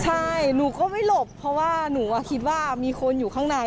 ใช่หนูก็ไม่หลบเพราะว่าหนูคิดว่ามีคนอยู่ข้างใน